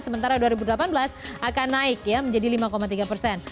sementara dua ribu delapan belas akan naik menjadi lima tiga persen